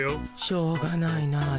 しょうがないなあ。